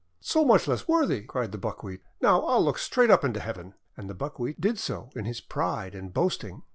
'1 :<So much less worthy!" cried the Buckwheat. "Now, I'll look straight up into Heaven!' And the Buckwheat did so in its pride and boasting.